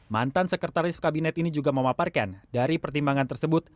mantan sekretaris kabinet ini juga memaparkan dari pertimbangan tersebut